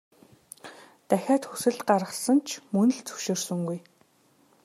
Дахиад хүсэлт гаргасан ч мөн л зөвшөөрсөнгүй.